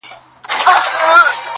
زه زما او ستا و دښمنانو ته~